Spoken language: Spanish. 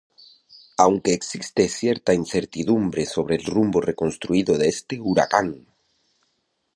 Aunque existe cierta incertidumbre sobre el rumbo reconstruido de este huracán.